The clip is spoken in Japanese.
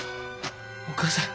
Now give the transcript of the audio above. お義母さん